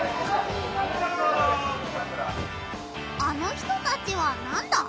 あの人たちはなんだ？